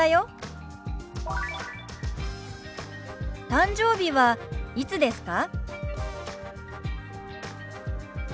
誕生日はいつですか？